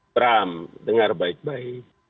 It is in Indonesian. pram dengar baik baik